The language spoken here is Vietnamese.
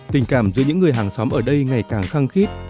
tình cảm giữa những người hàng xóm ở đây ngày càng khăng khít